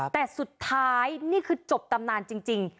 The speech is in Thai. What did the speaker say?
แต่สุดท้ายนี่คือจบตำนานจริง